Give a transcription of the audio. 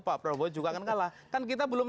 pak prabowo juga akan kalah kan kita belum